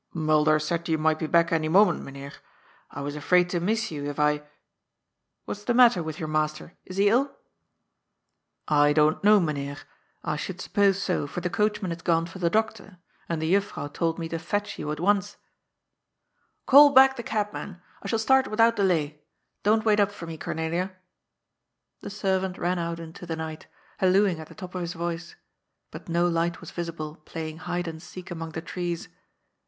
" Mulder said you might be back any moment, Mynheer. I was afraid to miss you, if I "" What is the matter with your master ? Is he ill ?" BLIAS'S BYES OPEN UPON THE WORLD. 259 I don't know, Mynheer. I should suppose so, for the coachman has gone for the doctor, and the Jn&ouw told me to fetch you at once." '^ Gall back the cabman ! I shall start without delay. — Don't wait up for me, Cornelia." The servant ran out into the night, hallooing at the top of his voice. But no light was visible playing hide and seek among the trees.